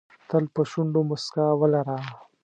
تل په شونډو موسکا ولره .